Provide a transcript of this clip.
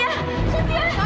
dokter kenapa ini